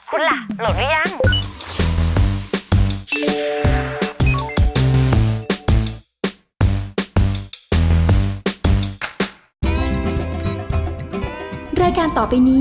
คุณล่ะโหลดหรือยัง